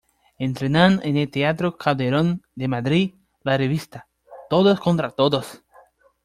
Estrenan en el teatro Calderón de Madrid la revista "¡Todos contra todos!